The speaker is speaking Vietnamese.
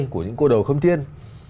của những cô đầu không tiên